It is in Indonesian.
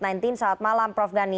selamat malam prof gani